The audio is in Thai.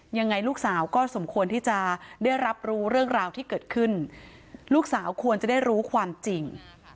ยังไงลูกสาวก็สมควรที่จะได้รับรู้เรื่องราวที่เกิดขึ้นลูกสาวควรจะได้รู้ความจริง